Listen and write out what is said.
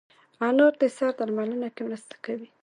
انار د سر درملنه کې مرسته کوي.